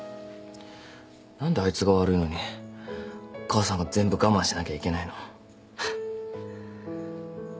何であいつが悪いのに母さんが全部我慢しなきゃいけないの。